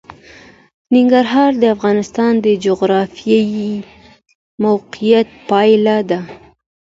ننګرهار د افغانستان د جغرافیایي موقیعت پایله ده.